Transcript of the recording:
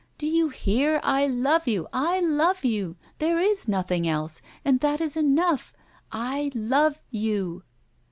Do you hear, I love you, I love you? there is nothing else, and that is enough I love you!